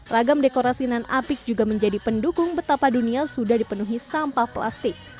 ragam dekorasi nan apik juga menjadi pendukung betapa dunia sudah dipenuhi sampah plastik